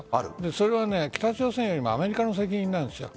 それは北朝鮮よりもアメリカの責任なんです。